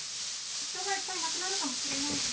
人がいっぱい亡くなるかもしれないのに。